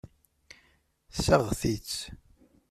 Seɣti-tt.